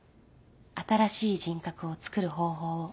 新しい人格をつくる方法を。